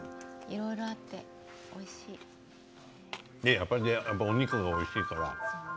やっぱりお肉がおいしいから。